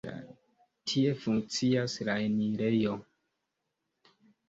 Tie funkcias la enirejo.